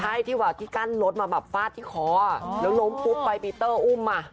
ใช่ที่กั้นรถมาฟาดที่คอแล้วลงปุ๊บไปปีเตอร์อุ้มมา